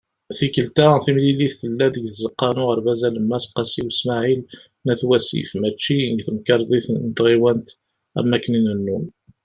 Tikelt-a, timlilit tella-d deg Tzeqqa n Uɣerbaz Alemmas "Qasi Usmaɛil" n At Wasif mačči deg Temkarḍit n Tɣiwant am wakken i nennum.